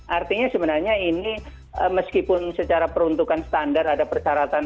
artinya sebenarnya ini meskipun secara peruntukan standar ada persyaratan